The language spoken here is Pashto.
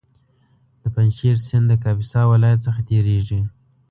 د پنجشېر سیند د کاپیسا ولایت څخه تېرېږي